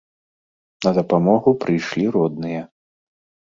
На дапамогу прыйшлі родныя.